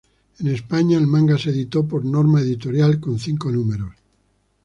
En España el manga se editó por Norma Editorial, con cinco números.